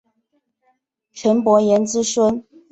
岑伯颜之孙。